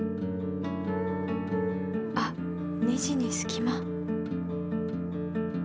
あっネジにすき間。